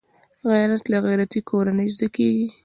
غیرت له غیرتي کورنۍ زده کېږي